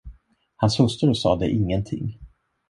Hans hustru sade ingenting.